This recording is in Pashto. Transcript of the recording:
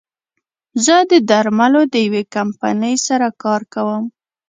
زه د درملو د يوې کمپنۍ سره کار کوم